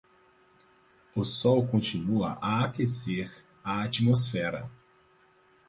O sol continua a aquecer a atmosfera.